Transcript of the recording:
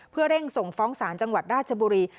เพื่อเร่งส่งฟ้องศาลจังหวัดราชบุรี